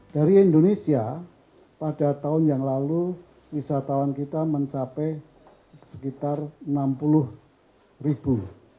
dari indonesia pada tahun yang lalu wisatawan kita mencapai sekitar enam puluh ribu